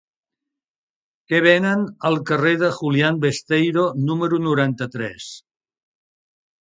Què venen al carrer de Julián Besteiro número noranta-tres?